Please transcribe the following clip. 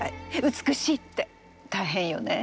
美しいって大変よね。